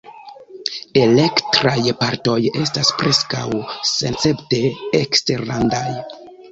Elektraj partoj estas preskaŭ senescepte eksterlandaj.